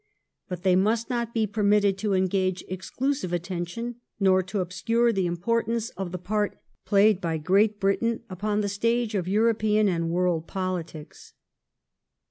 But they must not be permitted to engage exclusive attention nor to obscure the importance of the part played by Great Britain upon the stage of European and world politics.